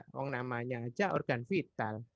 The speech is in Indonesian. yang namanya saja organ vital